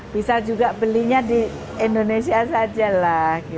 bisa juga belinya di indonesia saja lah